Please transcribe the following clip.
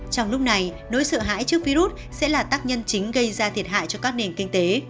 trong lúc này nỗi sợ hãi trước virus sẽ là tác nhân chính gây ra thiệt hại cho các nền kinh tế